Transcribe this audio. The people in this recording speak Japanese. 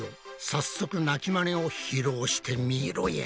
早速鳴きマネを披露してみろや。